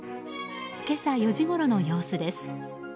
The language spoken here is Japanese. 今朝４時ごろの様子です。